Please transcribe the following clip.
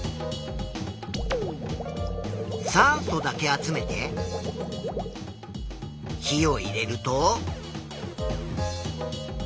酸素だけ集めて火を入れると。